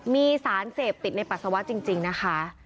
มีสารเสพติดในปัสสาวะจริงนะคะ